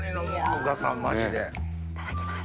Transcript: いただきます。